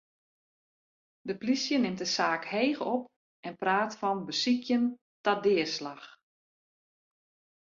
De plysje nimt de saak heech op en praat fan besykjen ta deaslach.